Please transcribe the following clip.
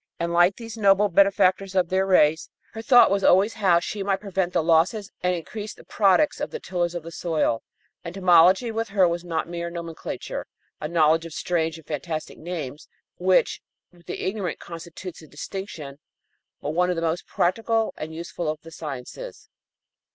And like these noble benefactors of their race, her thought was always how she might prevent the losses and increase the products of the tillers of the soil. Entomology with her was not mere nomenclature a knowledge of strange and fantastic names, which, with the ignorant, constitutes a distinction but one of the most practical and useful of the sciences.